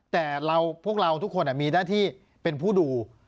แต่พวกเราทุกคนมีหน้าที่เป็นผู้ดู